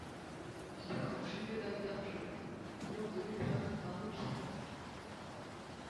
Il décroche une médailles d'argent lors de l'épreuve par équipes.